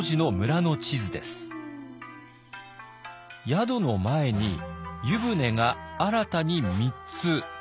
宿の前に湯船が新たに３つ。